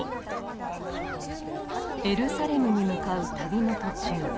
エルサレムに向かう旅の途中。